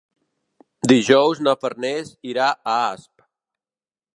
Dijous na Farners irà a Asp.